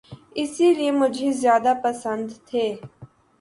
اسی لیے مجھے زیادہ پسند تھے۔